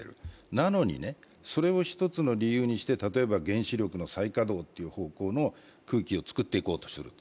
なのにそれを一つの理由にして例えば原子力の再稼働という方向の空気を作っていこうとすると。